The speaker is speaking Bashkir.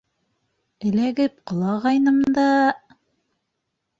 Эләгеп ҡолағайным да...